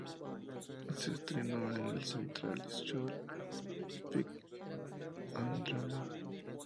Se entrenó en el "Central School of Speech and Drama".